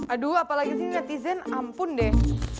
aduh apalagi sih netizen ampun deh